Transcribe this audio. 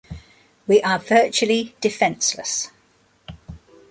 We are virtually defenseless.